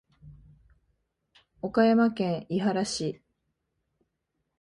岡山県井原市